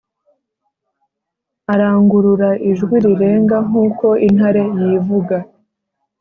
Arangurura ijwi rirenga nk’uko intare yivuga,